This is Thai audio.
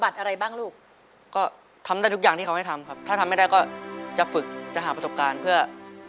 อะไรบ้างลูกก็ทำได้ทุกอย่างที่เขาให้ทำครับถ้าทำไม่ได้ก็จะฝึกจะหาประสบการณ์เพื่อ